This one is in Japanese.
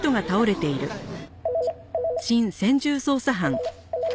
はい新専従捜査班。